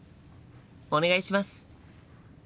お願いします！